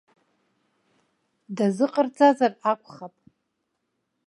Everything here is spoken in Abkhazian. Дазыҟарҵазар акәхап.